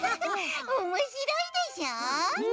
おもしろいでしょ！